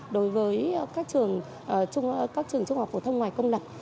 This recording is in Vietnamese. đối với các trường trung học phổ thông ngoài công lập